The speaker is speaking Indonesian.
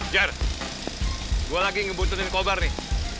jar gue lagi ngebuntutin kobar nih